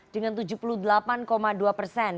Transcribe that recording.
dengan tujuh puluh delapan dua persen